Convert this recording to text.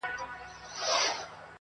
څه به کړو چي دا دریاب راته ساحل شي!!